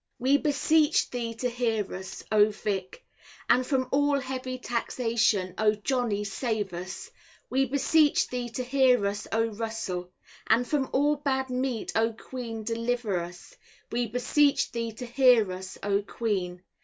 We beseech thee to hear us, O Vick. And from all heavy taxation, O Johnny, save us. We beseech thee to hear us, O Russell. And from all bad meat, O Queen deliver us. We beseech thee to hear us, O Queen.